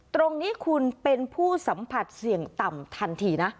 ตรงนี้คุณเป็นผู้สัมผัสเสี่ยงต่ำทันทีนะ